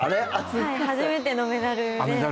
はい初めてのメダルで。